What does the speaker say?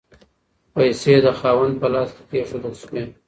پیسې د خاوند په لاس کې کیښودل شوې.